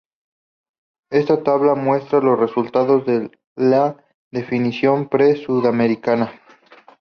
Esta tabla muestra los resultados de la definición Pre-Sudamericana.